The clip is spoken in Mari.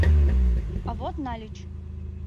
А вот нальыч!